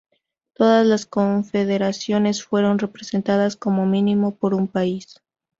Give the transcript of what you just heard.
Todas las confederaciones fueron representadas como mínimo por un país.